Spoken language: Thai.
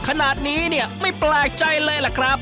ขนาดนี้เนี่ยไม่แปลกใจเลยล่ะครับ